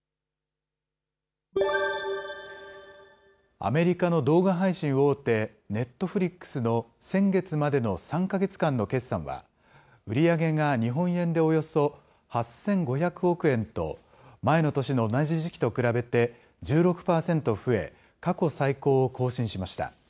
アメリカの動画配信大手、ネットフリックスの先月までの３か月間の決算は、売り上げが日本円でおよそ８５００億円と、前の年の同じ時期と比べて１６％増え、過去最高を更新しました。